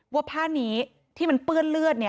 ว่าผ้านี้ที่มันเปื้อนเลือด